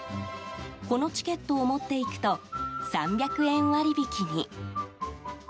このチケットを持っていくと３００円割引に。